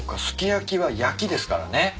すき焼きは「焼き」ですからね。